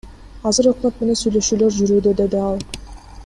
Азыр өкмөт менен сүйлөшүүлөр жүрүүдө, — деди ал.